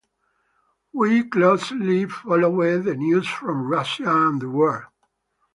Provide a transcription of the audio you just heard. We closely followed the news from Russia and the world.